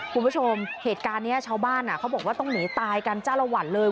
คุณผู้ชมเหตุการณ์นี้ชาวบ้านเขาบอกว่าต้องหนีตายกันจ้าละวันเลย